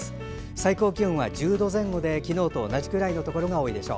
最高気温は１０度前後で昨日と同じくらいのところが多いでしょう。